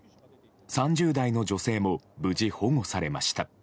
３０代の女性も無事、保護されました。